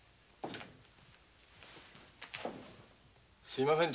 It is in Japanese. すみません